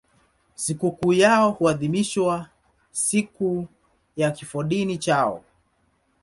Sikukuu yao huadhimishwa siku ya kifodini chao.